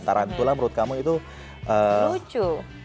tarantula menurut kamu itu lucu